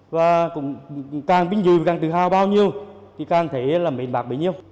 và cũng càng vinh dự và càng tự hào bao nhiêu thì càng thấy là mệnh bạc bấy nhiêu